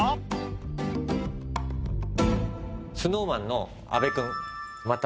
ＳｎｏｗＭａｎの阿部君。